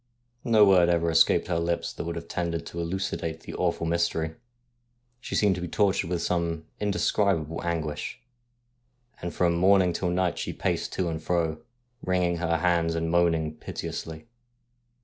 No word ever escaped her lips that would have tended to elucidate the awful mystery. She seemed to be tortured with some indescribable anguish, and from morn ing till night she paced to and fro, wringing her hands and moaning piteously.